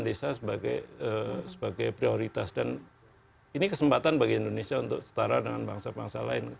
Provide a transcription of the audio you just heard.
dan ini kesempatan bagi indonesia untuk setara dengan bangsa bangsa lain